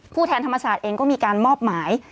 แทนธรรมศาสตร์เองก็มีการมอบหมาย